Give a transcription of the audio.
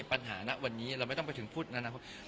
ปัญหานะวันนี้เราไม่ต้องไปถึงพูดในอนาคต